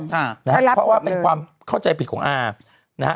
เพราะว่าเป็นความเข้าใจผิดของอานะฮะ